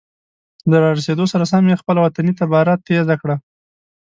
له را رسیدو سره سم یې خپله وطني تباره تیزه کړه.